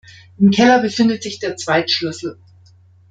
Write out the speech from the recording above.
Im Keller befindet sich der Zweitschlüssel.